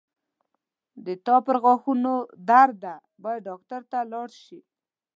د تا پرغاښونو درد ده باید ډاکټر ته لاړ شې